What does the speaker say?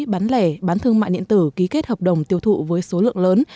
bán lẻ bán thương mại điện tử ký kết hợp đồng tiêu thụ với số lượng lớn